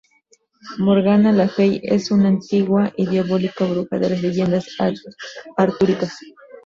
Morgana le Fey es una antigua y diabólica bruja de las leyendas artúricas.